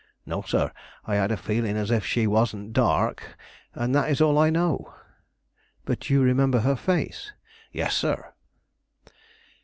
"No, sir; I had a feeling as if she wasn't dark, and that is all I know." "But you remember her face?" "Yes, sir!"